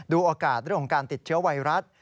โอกาสเรื่องของการติดเชื้อไวรัส